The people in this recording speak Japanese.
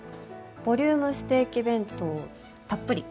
「ボリュームステーキ弁当たっぷり！」